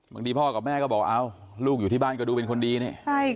บางทีพ่อกับแม่ก็บอกเอ้าลูกอยู่ที่บ้านก็ดูเป็นคนดีนี่